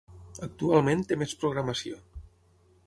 Actualment té més programació.